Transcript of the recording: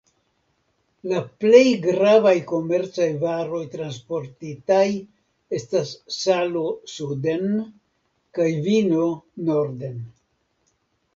La plej gravaj komercaj varoj transportitaj estas salo suden kaj vino norden.